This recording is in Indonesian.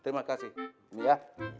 terima kasih mi ya